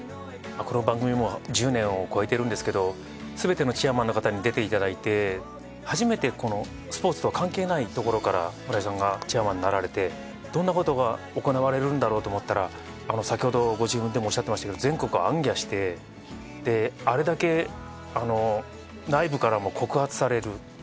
この番組も１０年を超えてるんですけどすべてのチェアマンの方に出ていただいて初めてこのスポーツとは関係ないところから村井さんがチェアマンになられてどんなことが行われるんだろうと思ったら先ほどご自分でもおっしゃってましたけど全国を行脚してあれだけ内部からも告発される。